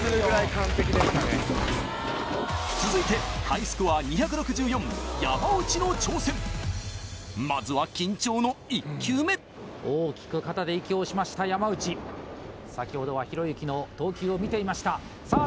続いてまずは緊張の１球目大きく肩で息をしました山内先ほどはひろゆきの投球を見ていましたさあ